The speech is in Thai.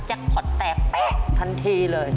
จะขอแตบแป๊ะทันทีเลย